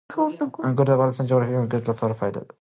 انګور د افغانستان د جغرافیایي موقیعت پوره پایله ده.